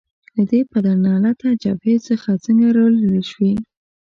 له دې پدرلعنته جبهې څخه څنګه رالیري شوې؟